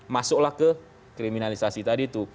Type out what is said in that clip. masuklah ke kriminalisasi tadi itu